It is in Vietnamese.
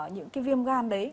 những cái viêm gan đấy